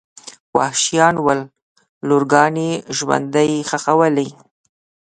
وحشیان ول لورګانې ژوندۍ ښخولې.